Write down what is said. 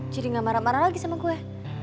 jadi nggak marah marah lagi sama gue